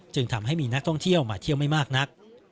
จึงทำให้มีนักท่องเที่ยวมาเที่ยวไม่มากนัก